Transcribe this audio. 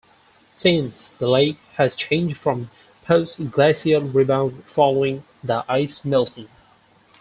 Since, the lake has changed from post-glacial rebound following the ice melting.